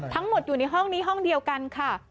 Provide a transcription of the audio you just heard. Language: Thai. ทั้งหมดอยู่ในห้องนี้ห้องเดียวกันค่ะ